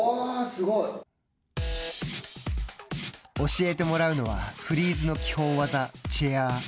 教えてもらうのは、フリーズの基本技、チェアー。